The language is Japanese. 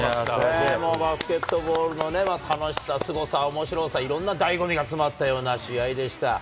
もうバスケットボールの楽しさ、すごさ、おもしろさ、いろんなだいご味が詰まったような試合でした。